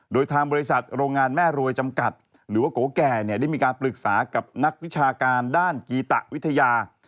โดยทางบริษัทโรงงานแม่รวยจำกัดหรือว่าโกแก่เนี่ยได้มีการปรึกษากับนักวิชาการด้านกีตะวิทยา